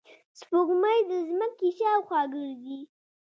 سپوږمۍ د ځمکې شاوخوا ګرځي